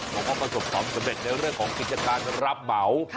แล้วก็ประสบความเสม็ดในเรื่องของกิจการรับเหมา